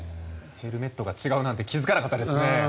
ヘルメットが違うなんて気づかなかったですね。